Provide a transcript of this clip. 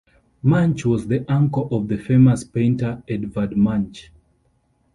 Munch was the uncle of the famous painter Edvard Munch.